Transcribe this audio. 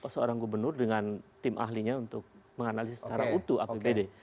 seorang gubernur dengan tim ahlinya untuk menganalisis secara utuh apbd